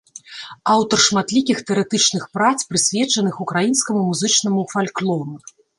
Аўтар шматлікіх тэарэтычных прац, прысвечаных украінскаму музычнаму фальклору.